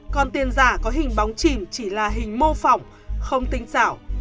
còn tiền giả có hình bóng chìm chỉ là hình mô phỏng không tinh xảo